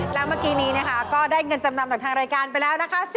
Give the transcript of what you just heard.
แล้วเมื่อกี้นี้นะคะก็ได้เงินจำนำจากทางรายการไปแล้วนะคะ